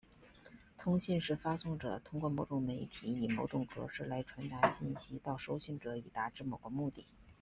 通信是发送者通过某种媒体以某种格式来传递信息到收信者以达致某个目的。